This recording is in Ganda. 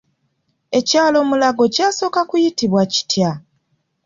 Ekyalo Mulago kyasooka kuyitibwa kitya?